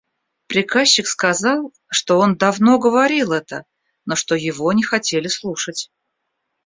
Приказчик сказал, что он давно говорил это, но что его не хотели слушать.